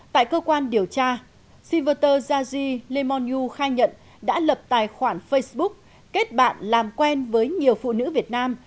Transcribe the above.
tại cơ quan điều tra sinverter zazi lemonyu khai nhận đã lập tài khoản facebook kết bạn làm quen với nhiều phụ nữ việt nam